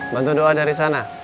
bantu doa dari sana